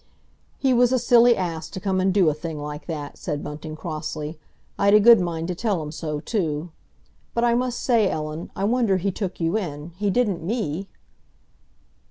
"He was a silly ass to come and do a thing like that!" said Bunting crossly. "I'd a good mind to tell him so, too. But I must say, Ellen, I wonder he took you in—he didn't me!"